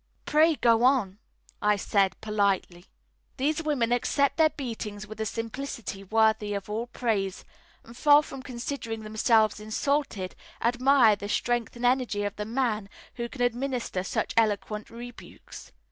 "Pray go on," I said politely. "These women accept their beatings with a simplicity worthy of all praise, and far from considering themselves insulted, admire the strength and energy of the man who can administer such eloquent rebukes.